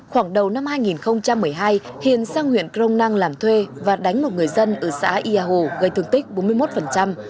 khoảng đầu năm hai nghìn một mươi hai hiền sang huyện crong năng làm thuê và đánh một người dân ở xã ia hồ gây thương tích bốn mươi một